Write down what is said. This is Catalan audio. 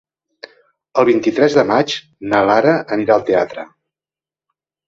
El vint-i-tres de maig na Lara anirà al teatre.